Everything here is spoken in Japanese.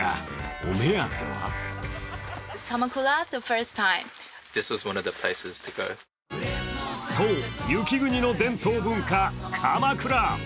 お目当てはそう、雪国の伝統文化かまくら。